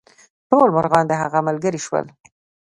ټول مرغان د هغه ملګري شول.